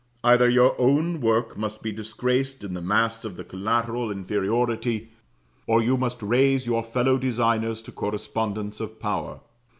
Either your own work must be disgraced in the mass of the collateral inferiority, or you must raise your fellow designers to correspondence of power.